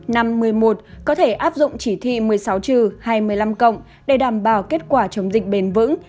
năm một mươi một có thể áp dụng chỉ thị một mươi sáu trừ hai mươi năm cộng để đảm bảo kết quả chống dịch bền vững